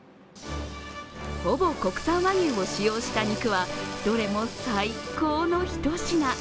ほぼ国産和牛を使用した肉は、どれも最高の一品。